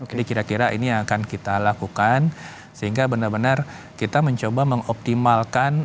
jadi kira kira ini yang akan kita lakukan sehingga benar benar kita mencoba mengoptimalkan